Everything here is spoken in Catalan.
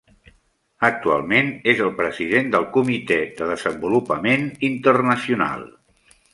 Actualment és el president del Comitè de Desenvolupament Internacional.